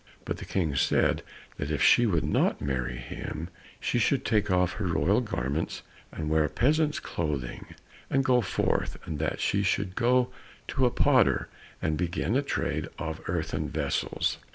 But the King said that if she would not marry him she should take off her royal garments and wear peasant's clothing, and go forth, and that she should go to a potter, and begin a trade in earthen vessels.